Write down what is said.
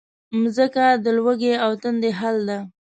مځکه د لوږې او تندې حل ده.